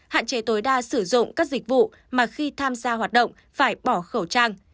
hạn chế tối đa sử dụng các dịch vụ mà khi tham gia hoạt động phải bỏ khẩu trang